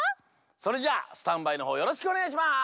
それじゃあスタンバイのほうよろしくおねがいします！